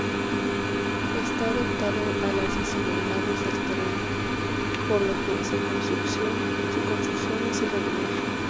Está adaptado a las desigualdades del terreno por lo que su construcción es irregular.